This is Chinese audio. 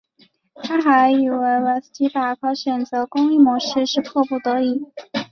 他还认为维基百科选择公益模式是迫不得已。